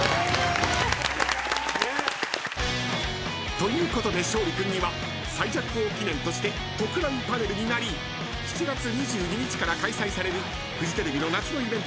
［ということで勝利君には最弱王記念として特大パネルになり７月２２日から開催されるフジテレビの夏のイベント